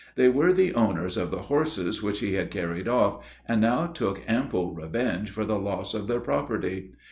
They were the owners of the horses which he had carried off, and now took ample revenge for the loss of their property.